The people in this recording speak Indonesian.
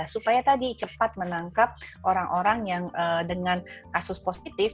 supaya tadi cepat menangkap orang orang yang dengan kasus positif